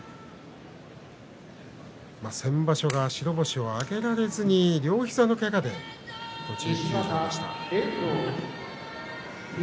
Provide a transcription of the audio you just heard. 先場所白星を挙げられずに両膝のけがで休場。